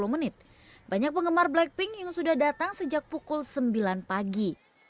tiga puluh menit banyak pengemar blackpink yang sudah datang sejak pukul sembilan pagi